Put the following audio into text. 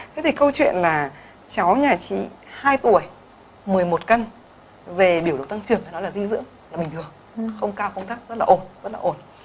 thế thì câu chuyện là cháu nhà chị hai tuổi một mươi một cân về biểu đồ tăng trưởng thì nó là dinh dưỡng là bình thường không cao không thấp rất là ổn